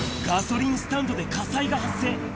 ガソリンスタンドで火災が発生。